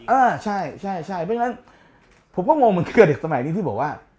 เพราะฉะนั้นผมก็งงเหมือนเกือบเด็กสมัยนี้ที่บอกว่า